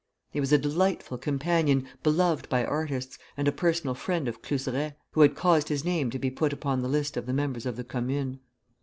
He was a delightful companion, beloved by artists, and a personal friend of Cluseret, who had caused his name to be put upon the list of the members of the Commune.